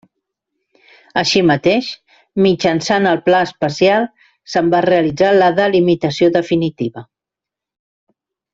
Així mateix, mitjançant el Pla especial se’n va realitzar la delimitació definitiva.